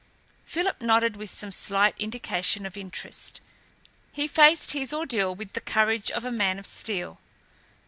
Philip nodded with some slight indication of interest. He faced his ordeal with the courage of a man of steel.